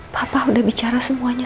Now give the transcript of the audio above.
bapak sudah bicara semuanya